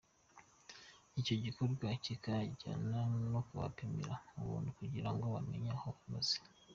Icyo gikorwa kikanajyana no kubapimira ubuntu kugira ngo bamenye aho bahagaze.